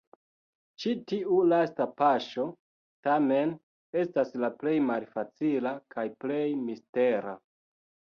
Ĉi tiu lasta paŝo, tamen, estas la plej malfacila kaj plej mistera.